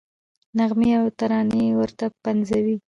نغمې او ترانې ورته پنځوي.